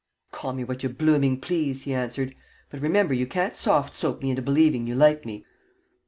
"Call me what you blooming please," he answered. "But remember you can't soft soap me into believing you like me.